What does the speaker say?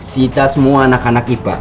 kita semua anak anak ipa